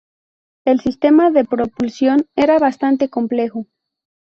El sistema de propulsión era bastante complejo.